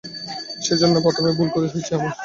সেজন্যই প্রথমে ভুল হয়েছিল আমার।